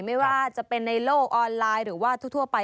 ไม่ว่าจะเป็นในโลกออนไลน์หรือว่าทั่วไป